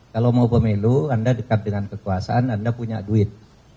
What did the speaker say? kalau mau pemilu anda dekat dengan kekuasaan anda punya duit